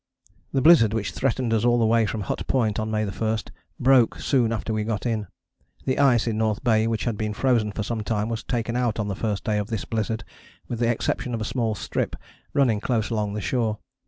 The blizzard which threatened us all the way from Hut Point on May 1 broke soon after we got in. The ice in North Bay, which had been frozen for some time, was taken out on the first day of this blizzard, with the exception of a small strip running close along the shore.